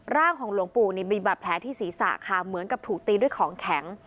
ร่างของหลวงปู่นี่มีบาดแผลที่ศีรษะค่ะเหมือนกับถูกตีด้วยของแข็ง